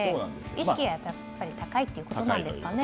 意識が高いということですかね。